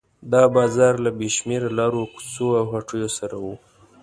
دا بازار له بې شمېره لارو کوڅو او هټیو سره و.